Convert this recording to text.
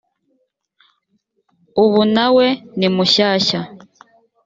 ubu na we ni mushyshya